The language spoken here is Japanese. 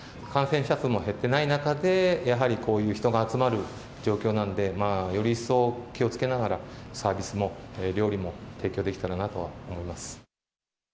感染者数も減ってない中で、やはりこういう人が集まる状況なんで、より一層、気をつけながらサービスも料理も提供できたらなとは思います。